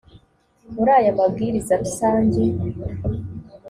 muri aya mabwiriza rusange